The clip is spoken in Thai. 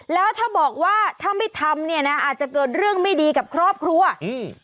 แล้วถ้าบอกว่าถ้าไม่ทำเนี่ยนะอาจจะเกิดเรื่องไม่ดีกับครอบครัวอืม